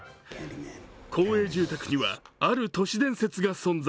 公営住宅にはある都市伝説が存在。